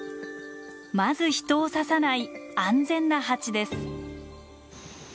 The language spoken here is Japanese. まず人を刺さない安全なハチです。